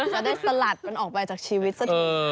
จะได้สลัดมันออกไปจากชีวิตสักที